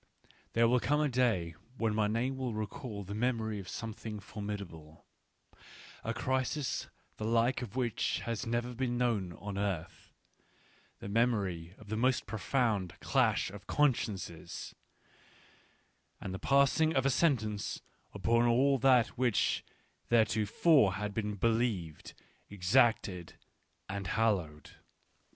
There will come a day when my name will recall the memory of some thing formidable — a crisis the like of which has never been known on earth, the memory of the most profound clash of consciences, and the passing of a sentence upon all that which theretofore had been believed, exacted, and hallowed.